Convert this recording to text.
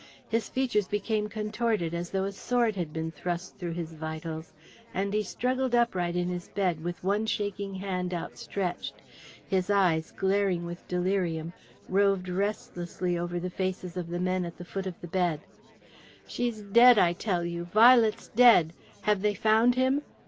His features became contorted, as though a sword had been thrust through his vitals, and he struggled upright in his bed, with one shaking hand outstretched. His eyes, glaring with delirium, roved restlessly over the faces of the men at the foot of the bed. "She's dead, I tell you! Violet's dead.... Have they found him?